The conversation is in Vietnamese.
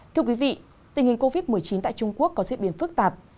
thưa quý vị tình hình covid một mươi chín tại trung quốc có diễn biến phức tạp